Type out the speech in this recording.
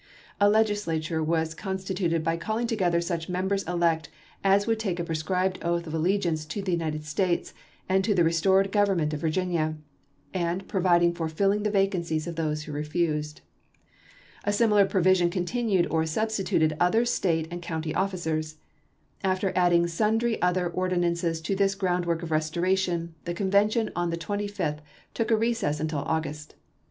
A Legislature was constituted by^calling together such members elect as would take a prescribed oath of allegiance to the United States and to the restored government of Virginia, and providing for filling the vacancies of those who refused. A similar pro 332 ABKAHAM LINCOLN Chap. XIX. vision Continued or substituted other State and county officers. After adding sundry other ordi nances to this groundwork of restoration, the con vention on the 25th took a recess till August.